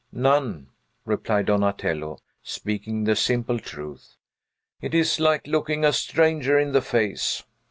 "None," replied Donatello, speaking the simple truth. "It is like looking a stranger in the face."